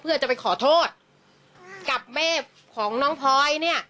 เพื่อจะไปขอโทษกับแม่ของน้องพลอยเนี่ย